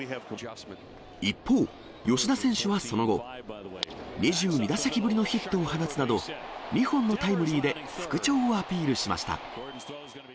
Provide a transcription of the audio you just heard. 一方、吉田選手はその後、２２打席ぶりのヒットを放つなど、２本のタイムリーで復調をアピールしました。